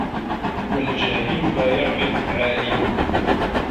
وَالْجَاهِلُ لَا يَعْرِفُ الْعَالِمَ